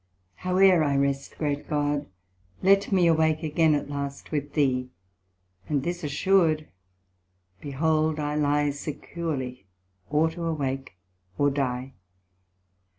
Howere I rest, great God, let me Awake again at last with thee. And this assur'd, behold I lie Securely, or to awake or die.